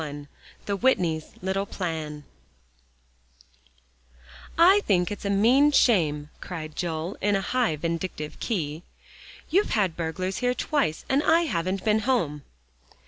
XXI THE WHITNEYS' LITTLE PLAN "I think it's a mean shame," cried Joel, on a high vindictive key. "You've had burglars here twice, and I haven't been home."